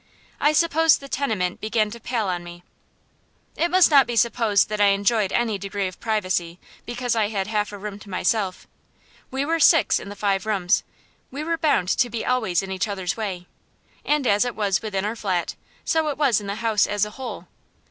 I suppose the tenement began to pall on me. It must not be supposed that I enjoyed any degree of privacy, because I had half a room to myself. We were six in the five rooms; we were bound to be always in each other's way. And as it was within our flat, so it was in the house as a whole.